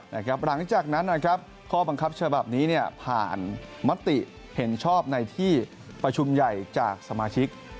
หลังจากนั้นนะครับข้อบังคับฉบับนี้ผ่านมติเห็นชอบในที่ประชุมใหญ่จากสมาชิก